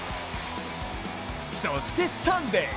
そしてサンデー。